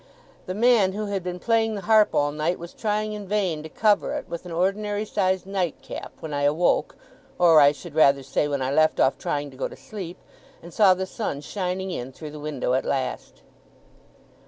The man who had been playing the harp all night, was trying in vain to cover it with an ordinary sized nightcap, when I awoke; or I should rather say, when I left off trying to go to sleep, and saw the sun shining in through the window at last.